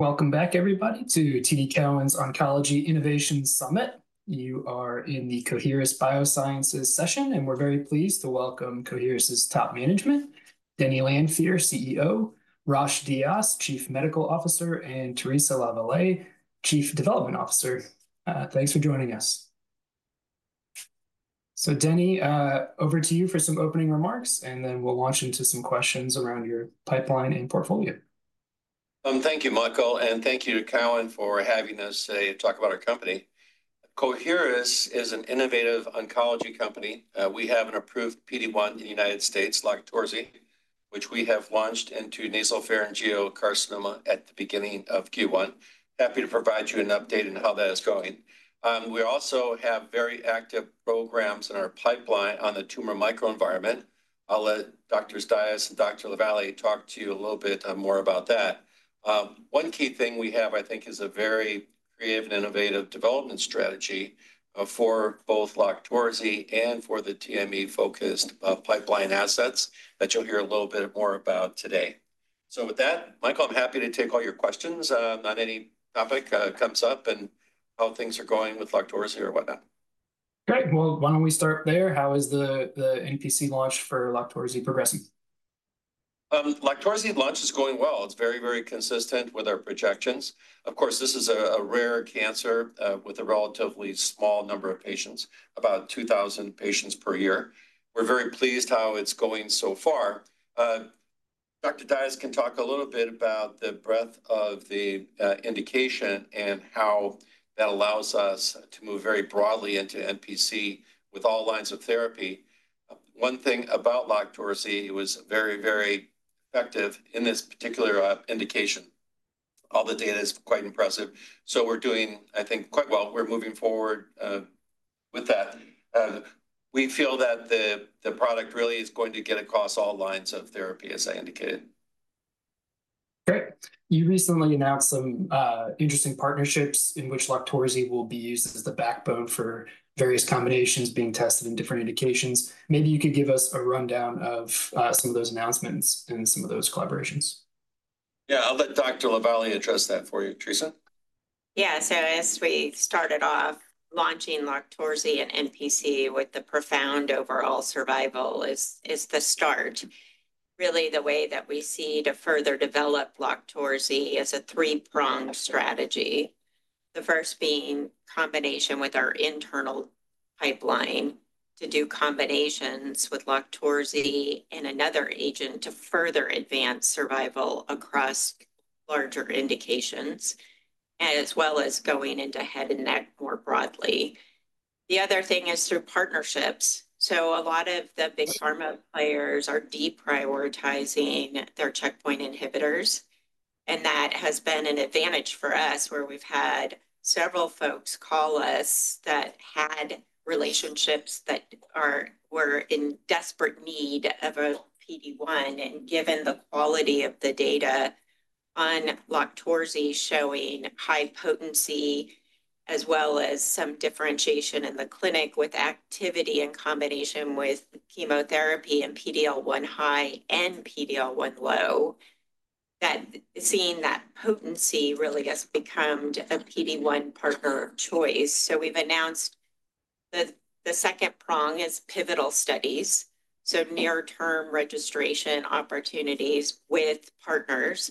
Welcome back, everybody, to TD Cowen's Oncology Innovation Summit. You are in the Coherus Oncology session, and we're very pleased to welcome Coherus' top management, Denny Lanfear, CEO, Rosh Dias, Chief Medical Officer, and Theresa LaVallee, Chief Development Officer. Thanks for joining us. So Denny, over to you for some opening remarks, and then we'll launch into some questions around your pipeline and portfolio. Thank you, Michael, and thank you to TD Cowen for having us today to talk about our company. Coherus is an innovative oncology company. We have an approved PD-1 in the United States, Loqtorzi, which we have launched into nasopharyngeal carcinoma at the beginning of Q1. Happy to provide you an update on how that is going. We also have very active programs in our pipeline on the tumor microenvironment. I'll let Dr. Dias and Dr. LaVallee talk to you a little bit more about that. One key thing we have, I think, is a very creative and innovative development strategy for both Loqtorzi and for the TME-focused pipeline assets that you'll hear a little bit more about today. With that, Michael, I'm happy to take all your questions on any topic comes up and how things are going with Loqtorzi or whatnot. Great! Well, why don't we start there? How is the NPC launch for Loqtorzi progressing? Loqtorzi launch is going well. It's very, very consistent with our projections. Of course, this is a rare cancer with a relatively small number of patients, about 2,000 patients per year. We're very pleased how it's going so far. Dr. Dias can talk a little bit about the breadth of the indication and how that allows us to move very broadly into NPC with all lines of therapy. One thing about Loqtorzi, it was very, very effective in this particular indication. All the data is quite impressive, so we're doing, I think, quite well. We're moving forward with that. We feel that the product really is going to get across all lines of therapy, as I indicated. Great. You recently announced some, interesting partnerships in which Loqtorzi will be used as the backbone for various combinations being tested in different indications. Maybe you could give us a rundown of, some of those announcements and some of those collaborations. Yeah, I'll let Dr. LaVallee address that for you. Theresa? Yeah. So as we started off launching Loqtorzi at NPC with the profound overall survival is the start. Really, the way that we see to further develop Loqtorzi is a three-pronged strategy. The first being combination with our internal pipeline to do combinations with Loqtorzi and another agent to further advance survival across larger indications, as well as going into head and neck more broadly. The other thing is through partnerships, so a lot of the big pharma players are deprioritizing their checkpoint inhibitors, and that has been an advantage for us, where we've had several folks call us that had relationships that were in desperate need of a PD-1. Given the quality of the data on Loqtorzi, showing high potency, as well as some differentiation in the clinic with activity in combination with chemotherapy and PD-L1 high and PD-L1 low, that seeing that potency really has become a PD-1 partner of choice. So we've announced the second prong is pivotal studies, so near-term registration opportunities with partners.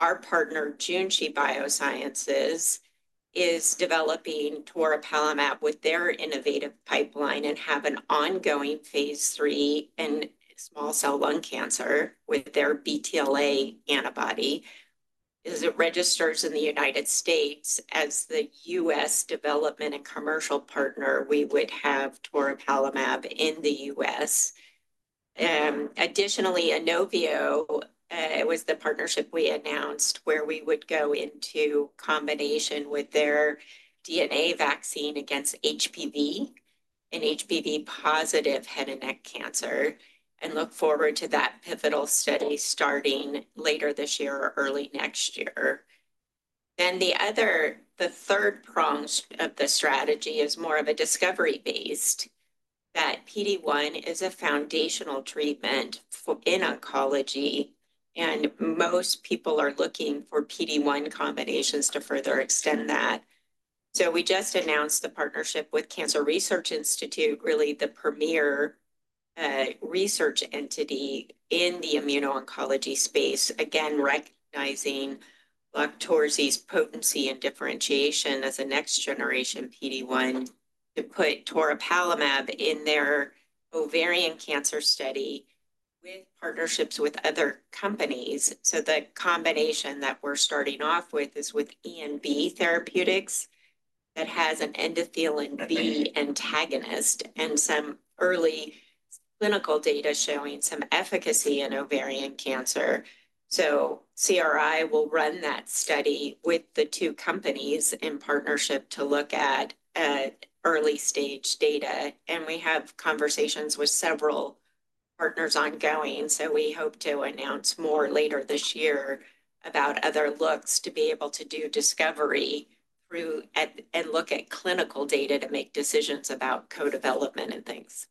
Our partner, Junshi Biosciences, is developing toripalimab with their innovative pipeline and have an ongoing phase III in small cell lung cancer with their BTLA antibody. As it registers in the United States as the U.S. development and commercial partner, we would have toripalimab in the U.S. Additionally, Inovio was the partnership we announced, where we would go into combination with their DNA vaccine against HPV in HPV-positive head and neck cancer, and look forward to that pivotal study starting later this year or early next year. Then the other, the third prong of the strategy is more of a discovery-based, that PD-1 is a foundational treatment for, in oncology, and most people are looking for PD-1 combinations to further extend that. So we just announced the partnership with Cancer Research Institute, really the premier research entity in the immuno-oncology space, again, recognizing Loqtorzi's potency and differentiation as a next-generation PD-1, to put toripalimab in their ovarian cancer study with partnerships with other companies. So the combination that we're starting off with is with ENB Therapeutics. It has an endothelin B antagonist and some early clinical data showing some efficacy in ovarian cancer. So CRI will run that study with the two companies in partnership to look at early-stage data, and we have conversations with several partners ongoing, so we hope to announce more later this year about other looks, to be able to do discovery through and look at clinical data to make decisions about co-development and things.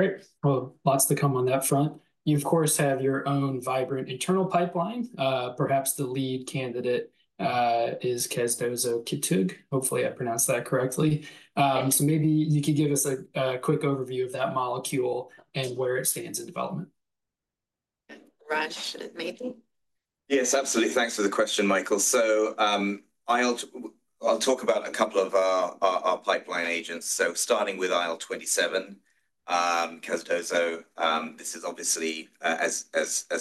Great! Well, lots to come on that front. You, of course, have your own vibrant internal pipeline. Perhaps the lead candidate is casdozokitug. Hopefully, I pronounced that correctly. So maybe you could give us a quick overview of that molecule and where it stands in development. Rosh, should it maybe? Yes, absolutely. Thanks for the question, Michael. So, I'll talk about a couple of our pipeline agents. So starting with IL-27, casdozokitug, this is obviously, as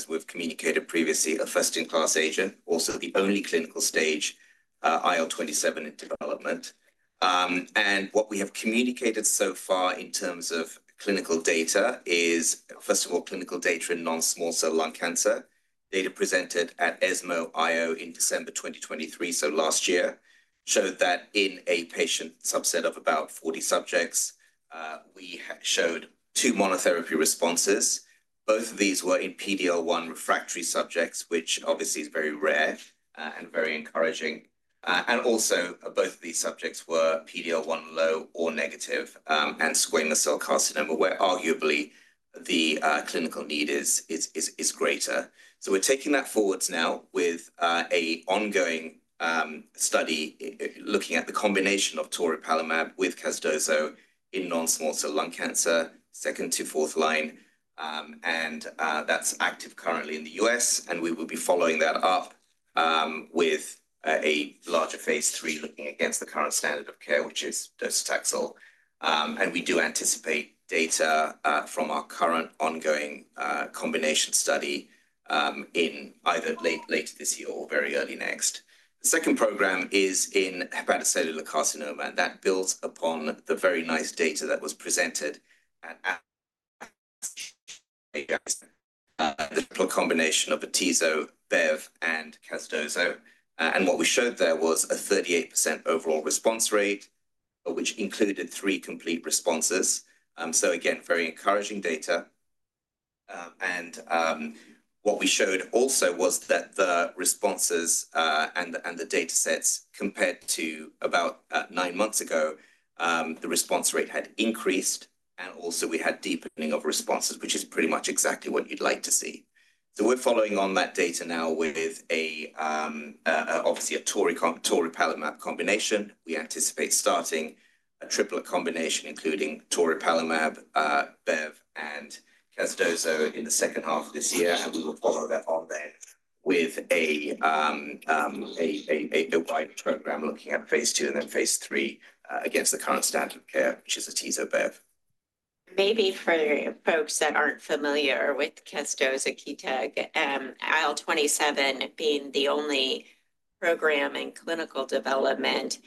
we've communicated previously, a first-in-class agent, also the only clinical stage IL-27 in development. And what we have communicated so far in terms of clinical data is, first of all, clinical data in non-small cell lung cancer. Data presented at ESMO IO in December 2023, so last year, showed that in a patient subset of about 40 subjects, we showed two monotherapy responses. Both of these were in PD-L1 refractory subjects, which obviously is very rare, and very encouraging. And also, both of these subjects were PD-L1 low or negative, and squamous cell carcinoma, where arguably the clinical need is greater. So we're taking that forward now with an ongoing study looking at the combination of toripalimab with casdozokitug in non-small cell lung cancer, second to fourth line. That's active currently in the U.S., and we will be following that up with a larger phase III, looking against the current standard of care, which is docetaxel. We do anticipate data from our current ongoing combination study in either later this year or very early next. The second program is in hepatocellular carcinoma, and that builds upon the very nice data that was presented at the combination of atezo, bev, and casdozokitug. What we showed there was a 38% overall response rate, which included three complete responses. Again, very encouraging data. And what we showed also was that the responses and the datasets, compared to about nine months ago, the response rate had increased, and also we had deepening of responses, which is pretty much exactly what you'd like to see. So we're following on that data now with, obviously, a toripalimab combination. We anticipate starting a triple combination, including toripalimab, bev, and casdozokitug in the second half of this year, and we will follow that on then with a wide program looking at phase II and then phase III against the current standard of care, which is casdozokitug. Maybe for folks that aren't familiar with casdozokitug, IL-27 being the only program in clinical development,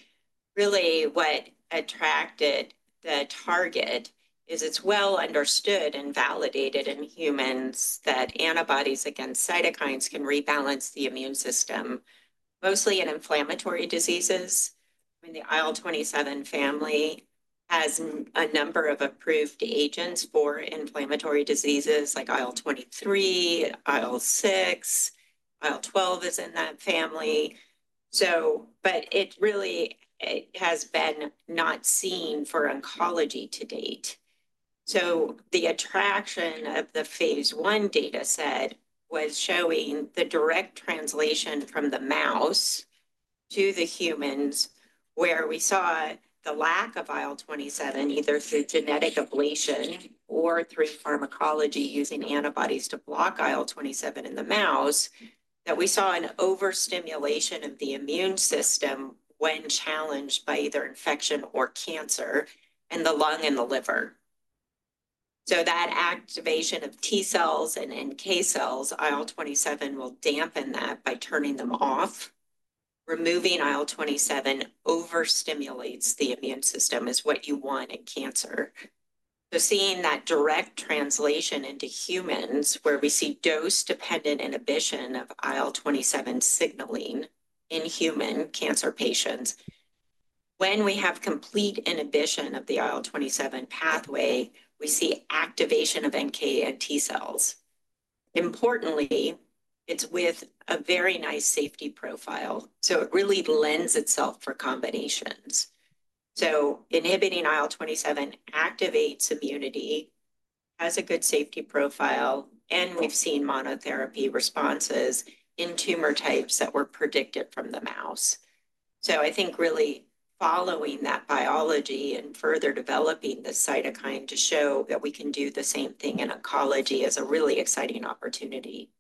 really what attracted the target is it's well understood and validated in humans that antibodies against cytokines can rebalance the immune system, mostly in inflammatory diseases. I mean, the IL-27 family has a number of approved agents for inflammatory diseases like IL-23, IL-6, IL-12 is in that family. So, but it really, it has been not seen for oncology to date. So the attraction of the phase I dataset was showing the direct translation from the mouse to the humans, where we saw the lack of IL-27, either through genetic ablation or through pharmacology, using antibodies to block IL-27 in the mouse, that we saw an overstimulation of the immune system when challenged by either infection or cancer in the lung and the liver. So, that activation of T cells and NK cells, IL-27 will dampen that by turning them off. Removing IL-27 overstimulates the immune system, is what you want in cancer. So, seeing that direct translation into humans, where we see dose-dependent inhibition of IL-27 signaling in human cancer patients, when we have complete inhibition of the IL-27 pathway, we see activation of NK and T cells. Importantly, it's with a very nice safety profile, so it really lends itself for combinations. So, inhibiting IL-27 activates immunity, has a good safety profile, and we've seen monotherapy responses in tumor types that were predicted from the mouse. So, I think really following that biology and further developing the cytokine to show that we can do the same thing in oncology is a really exciting opportunity.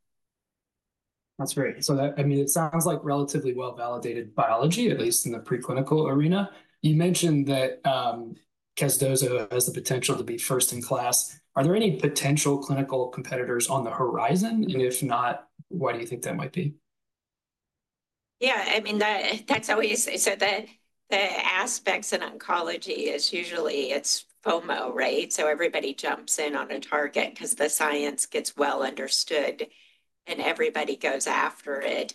That's great. So, I mean, it sounds like relatively well-validated biology, at least in the preclinical arena. You mentioned that, casdozokitug has the potential to be first in class. Are there any potential clinical competitors on the horizon? And if not, why do you think that might be? Yeah, I mean, that's always-- So the aspects in oncology is usually it's FOMO, right? So everybody jumps in on a target 'cause the science gets well understood, and everybody goes after it.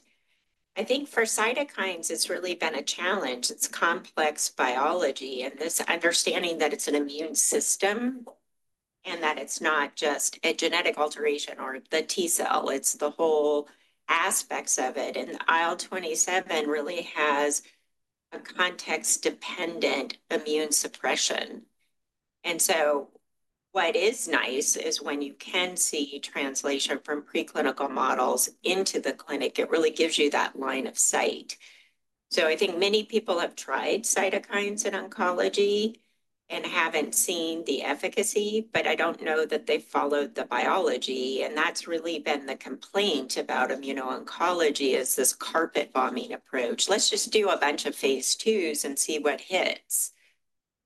I think for cytokines, it's really been a challenge. It's complex biology, and this understanding that it's an immune system and that it's not just a genetic alteration or the T cell, it's the whole aspects of it. And IL-27 really has a context-dependent immune suppression. And so what is nice is when you can see translation from preclinical models into the clinic, it really gives you that line of sight. So I think many people have tried cytokines in oncology and haven't seen the efficacy, but I don't know that they've followed the biology, and that's really been the complaint about immuno-oncology, is this carpet bombing approach. Let's just do a bunch of phase IIs and see what hits.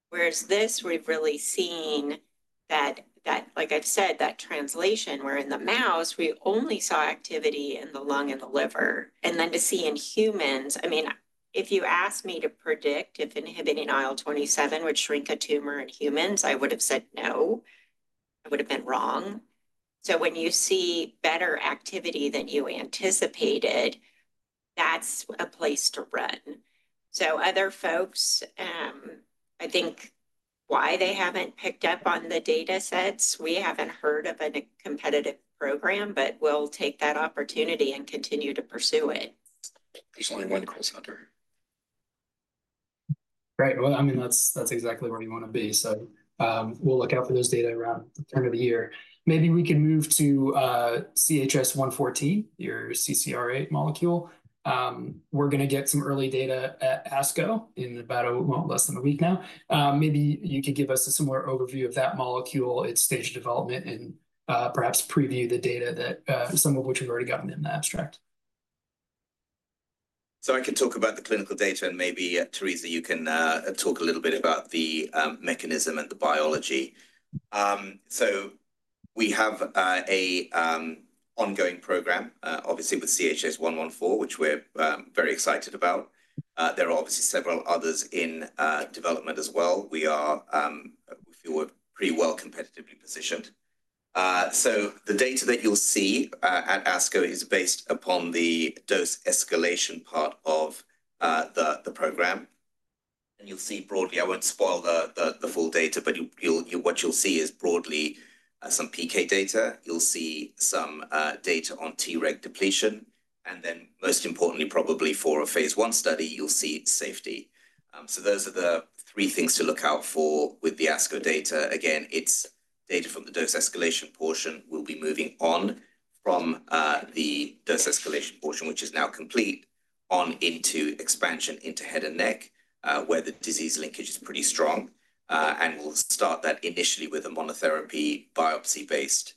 Whereas this, we've really seen that, like I've said, that translation, where in the mouse, we only saw activity in the lung and the liver. And then to see in humans, I mean, if you asked me to predict if inhibiting IL-27 would shrink a tumor in humans, I would have said no. I would have been wrong. So when you see better activity than you anticipated, that's a place to run. So other folks, I think why they haven't picked up on the datasets, we haven't heard of a competitive program, but we'll take that opportunity and continue to pursue it. There's only one cross-cutter. Right. Well, I mean, that's, that's exactly where we wanna be. So, we'll look out for those data around the turn of the year. Maybe we can move to, CHS-114, your CCR8 molecule. We're gonna get some early data at ASCO in about, well, less than a week now. Maybe you could give us a similar overview of that molecule, its stage of development, and, perhaps preview the data that, some of which we've already gotten in the abstract. So I can talk about the clinical data, and maybe, Theresa, you can talk a little bit about the mechanism and the biology. So we have an ongoing program, obviously, with CHS-114, which we're very excited about. There are obviously several others in development as well. We are, we feel we're pretty well competitively positioned. So the data that you'll see at ASCO is based upon the dose escalation part of the program, and you'll see broadly. I won't spoil the full data, but what you'll see is broadly some PK data. You'll see some data on Treg depletion, and then, most importantly, probably for a phase I study, you'll see its safety. So those are the three things to look out for with the ASCO data. Again, it's data from the dose escalation portion. We'll be moving on from the dose escalation portion, which is now complete, on into expansion into head and neck, where the disease linkage is pretty strong. And we'll start that initially with a monotherapy, biopsy-based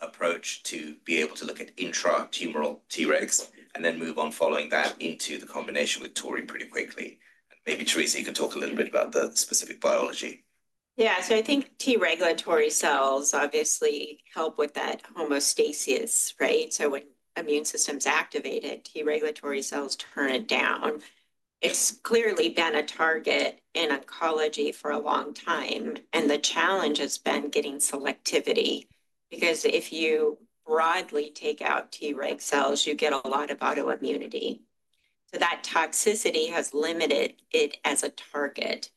approach to be able to look at intratumoral Tregs, and then move on, following that, into the combination with tori pretty quickly. Maybe, Theresa, you can talk a little bit about the specific biology. Yeah. So I think T regulatory cells obviously help with that homeostasis, right? So when immune system's activated, T regulatory cells turn it down. It's clearly been a target in oncology for a long time, and the challenge has been getting selectivity because if you broadly take out Treg cells, you get a lot of autoimmunity. So that toxicity has limited it as a target.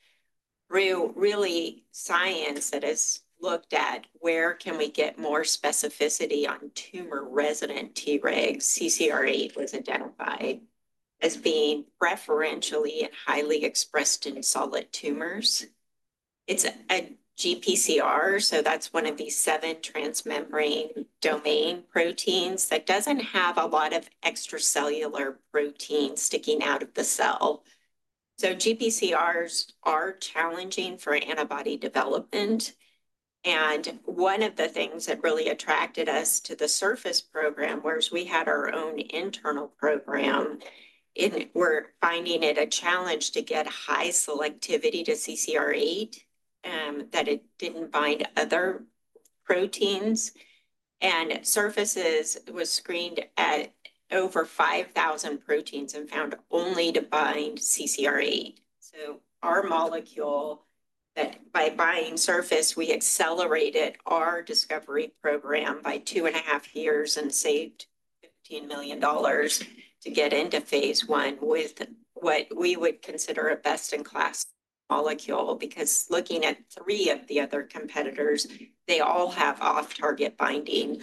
Really, science that has looked at, where can we get more specificity on tumor-resident Tregs? CCR8 was identified as being preferentially and highly expressed in solid tumors. It's a GPCR, so that's one of the seven transmembrane domain proteins that doesn't have a lot of extracellular protein sticking out of the cell. So GPCRs are challenging for antibody development, and one of the things that really attracted us to the Surface program, whereas we had our own internal program, we're finding it a challenge to get high selectivity to CCR8, that it didn't bind other proteins. And Surface was screened at over 5,000 proteins and found only to bind CCR8. So our molecule, that by binding Surface, we accelerated our discovery program by 2.5 years and saved $15 million to get into phase I with what we would consider a best-in-class molecule. Because looking at three of the other competitors, they all have off-target binding,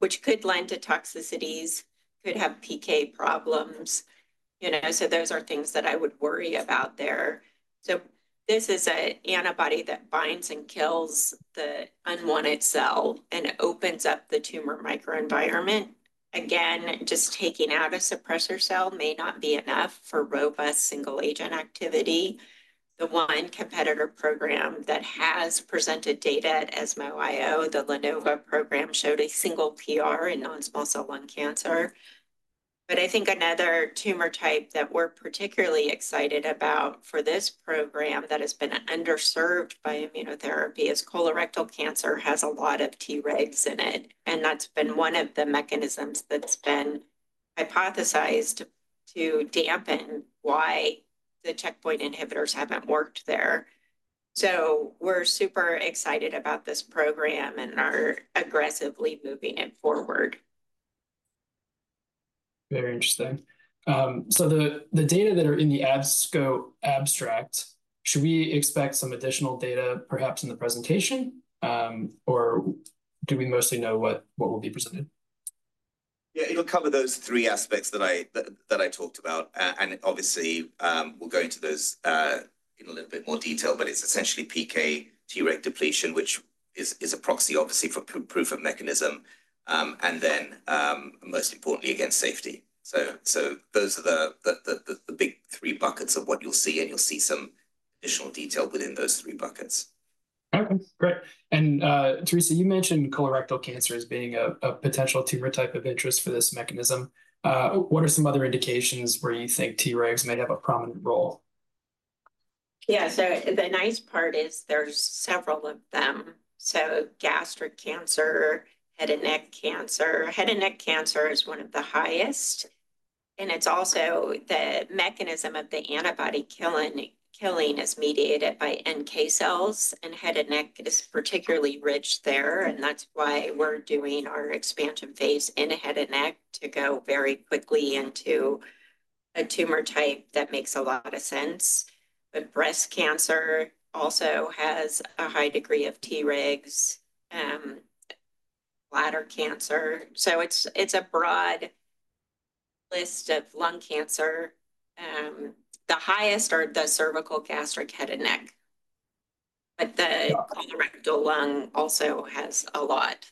which could lend to toxicities, could have PK problems, you know, so those are things that I would worry about there. So this is an antibody that binds and kills the unwanted cell and opens up the tumor microenvironment. Again, just taking out a suppressor cell may not be enough for robust single-agent activity. The one competitor program that has presented data at ESMO IO, the Lanova program, showed a single PR in non-small cell lung cancer. But I think another tumor type that we're particularly excited about for this program that has been underserved by immunotherapy is colorectal cancer has a lot of Tregs in it, and that's been one of the mechanisms that's been hypothesized to dampen why the checkpoint inhibitors haven't worked there. So we're super excited about this program and are aggressively moving it forward. Very interesting. So the data that are in the ASCO abstract, should we expect some additional data, perhaps, in the presentation? Or do we mostly know what will be presented? Yeah, it'll cover those three aspects that I talked about. And obviously, we'll go into those in a little bit more detail, but it's essentially PK Treg depletion, which is a proxy, obviously, for proof of mechanism, and then most importantly, again, safety. So those are the big three buckets of what you'll see, and you'll see some additional detail within those three buckets. Okay, great. And, Theresa, you mentioned colorectal cancer as being a potential tumor type of interest for this mechanism. What are some other indications where you think Tregs might have a prominent role? Yeah, so the nice part is there's several of them. So gastric cancer, head and neck cancer. Head and neck cancer is one of the highest, and it's also the mechanism of the antibody killing, killing is mediated by NK cells, and head and neck is particularly rich there, and that's why we're doing our expansion phase in head and neck to go very quickly into a tumor type. That makes a lot of sense. But breast cancer also has a high degree of Tregs, bladder cancer. So it's, it's a broad list of lung cancer. The highest are the cervical, gastric, head and neck, but the colorectal lung also has a lot.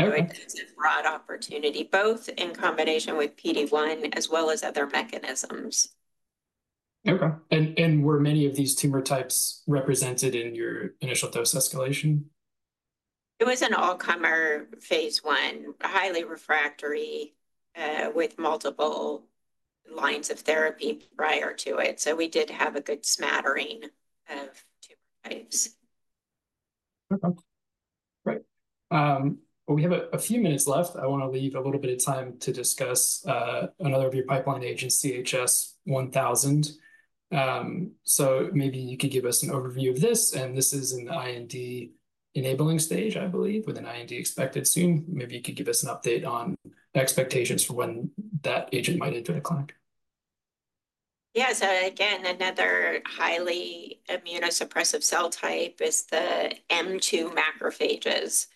Okay. So it's a broad opportunity, both in combination with PD-1 as well as other mechanisms. Okay. And were many of these tumor types represented in your initial dose escalation? It was an all-comer phase I, highly refractory, with multiple lines of therapy prior to it, so we did have a good smattering of tumor types. Okay. Great. We have a few minutes left. I wanna leave a little bit of time to discuss another of your pipeline agents, CHS-1000. So maybe you could give us an overview of this, and this is in the IND-enabling stage, I believe, with an IND expected soon. Maybe you could give us an update on the expectations for when that agent might enter the clinic. Yeah, so again, another highly immunosuppressive cell type is the M2 macrophages.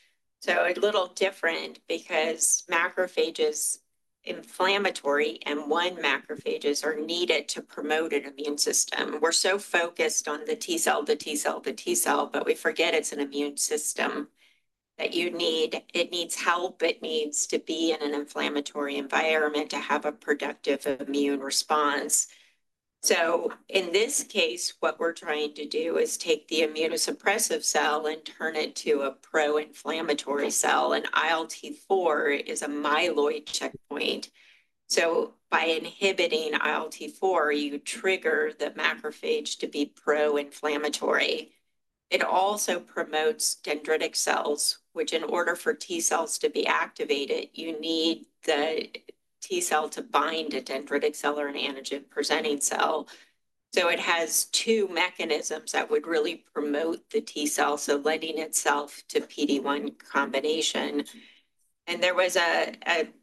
So a little different because macrophages, inflammatory, and M1 macrophages are needed to promote an immune system. We're so focused on the T cell, the T cell, the T cell, but we forget it's an immune system that you need. It needs help. It needs to be in an inflammatory environment to have a productive immune response. So in this case, what we're trying to do is take the immunosuppressive cell and turn it to a pro-inflammatory cell, and ILT4 is a myeloid checkpoint. So by inhibiting ILT4, you trigger the macrophage to be pro-inflammatory. It also promotes dendritic cells, which in order for T cells to be activated, you need the T cell to bind a dendritic cell or an antigen-presenting cell. So it has two mechanisms that would really promote the T cell, so lending itself to PD-1 combination. And there was a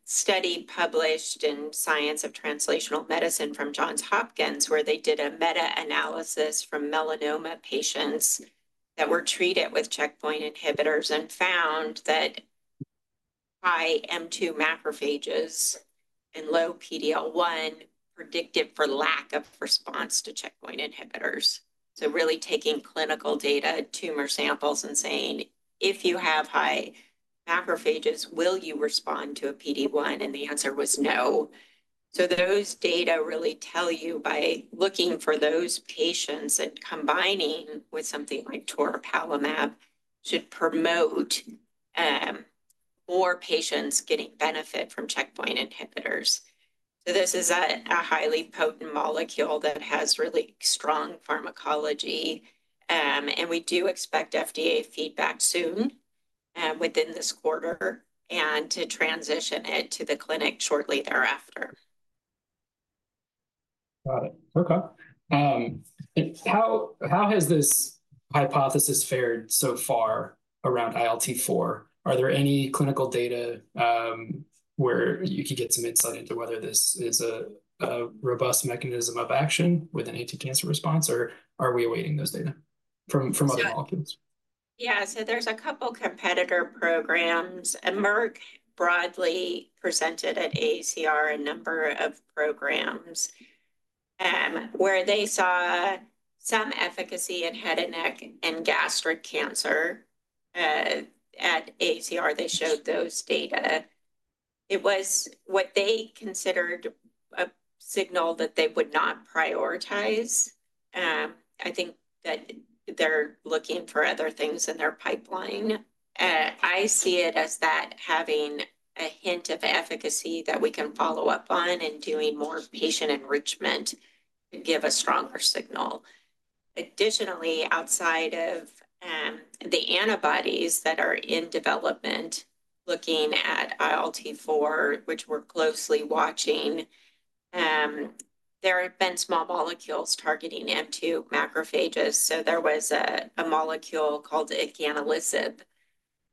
study published in Science Translational Medicine from Johns Hopkins, where they did a meta-analysis from melanoma patients that were treated with checkpoint inhibitors and found that high M2 macrophages and low PD-L1 predicted for lack of response to checkpoint inhibitors. So really taking clinical data, tumor samples, and saying, "If you have high macrophages, will you respond to a PD-1?" And the answer was no. So those data really tell you by looking for those patients and combining with something like toripalimab should promote more patients getting benefit from checkpoint inhibitors. So this is a highly potent molecule that has really strong pharmacology, and we do expect FDA feedback soon within this quarter, and to transition it to the clinic shortly thereafter. Got it. Okay. And how has this hypothesis fared so far around ILT4? Are there any clinical data where you could get some insight into whether this is a robust mechanism of action with an anti-cancer response, or are we awaiting those data from other molecules? Yeah, so there's a couple competitor programs, and Merck broadly presented at AACR, a number of programs, where they saw some efficacy in head and neck and gastric cancer. At AACR, they showed those data. It was what they considered a signal that they would not prioritize. I think that they're looking for other things in their pipeline. I see it as that having a hint of efficacy that we can follow up on and doing more patient enrichment to give a stronger signal. Additionally, outside of the antibodies that are in development, looking at ILT4, which we're closely watching, there have been small molecules targeting M2 macrophages. So there was a molecule called iganalisib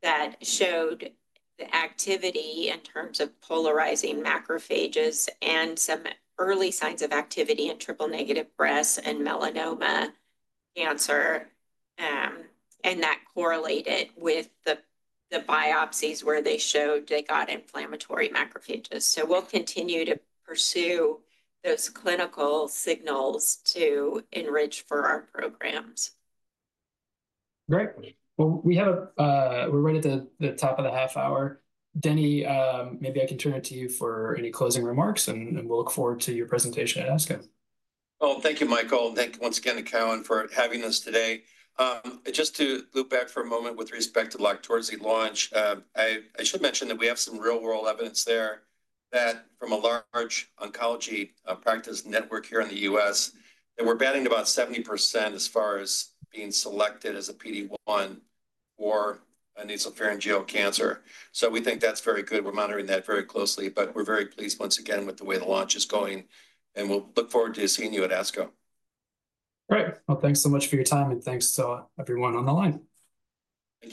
that showed the activity in terms of polarizing macrophages and some early signs of activity in triple-negative breast and melanoma cancer, and that correlated with the biopsies where they showed they got inflammatory macrophages. So we'll continue to pursue those clinical signals to enrich for our programs. Great. Well, we have, we're right at the top of the half hour. Denny, maybe I can turn it to you for any closing remarks, and we'll look forward to your presentation at ASCO. Well, thank you, Michael, and thank you once again to Cowen for having us today. Just to loop back for a moment with respect to Loqtorzi launch, I should mention that we have some real-world evidence there, that from a large oncology practice network here in the U.S., that we're batting about 70% as far as being selected as a PD-1 or a nasopharyngeal cancer. So we think that's very good. We're monitoring that very closely, but we're very pleased once again with the way the launch is going, and we'll look forward to seeing you at ASCO. Great. Well, thanks so much for your time, and thanks to everyone on the line.